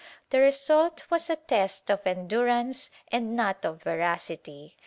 The result was a test of endurance and not of veracity.